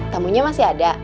tamunya masih ada